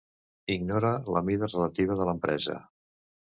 Ignora la mida relativa de l'empresa.